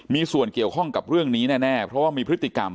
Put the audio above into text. มีส่วนเกี่ยวข้องกับเรื่องนี้แน่เพราะว่ามีพฤติกรรม